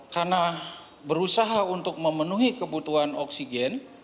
karena berusaha untuk memenuhi kebutuhan oksigen